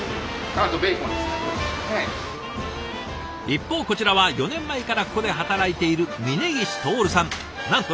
一方こちらは４年前からここで働いている峯岸亨さん。